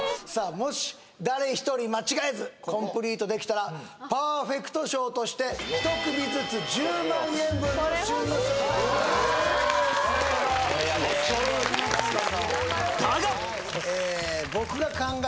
もし誰一人間違えずコンプリートできたらパーフェクト賞として１組ずつ１０万円分の旬の食材盛り合わせ差し上げますだがえ